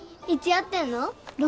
いつやってんの？